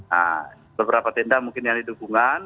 nah beberapa tindak mungkin yang didukungan